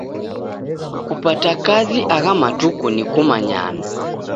Kupata kazi agha matuku ni kumanyana.